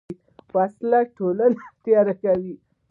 وسله ټولنه تیاره کوي